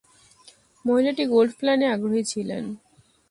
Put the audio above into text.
মহিলাটি গোল্ড প্ল্যানে আগ্রহী ছিলো।